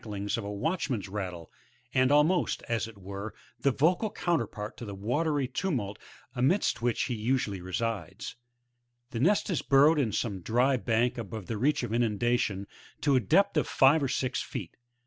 71 cry, very similar to the interrupted creakings of a watchman's rattle, and almost, as it were, tlie vocal counterpart to the watery tumult amidst which he usually resides. The nest is burrowed in some dry bank above the reach of inundation,' to a depth of five or six feet.